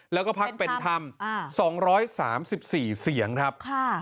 แล้วก็พักเป็นธรรม๒๓๔เสียงครับ